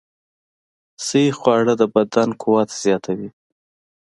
صحي خواړه د بدن قوت زیاتوي.